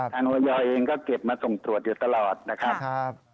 ทางวิทยาศาสตร์เองก็เก็บมาส่งตรวจอยู่ตลอดนะครับ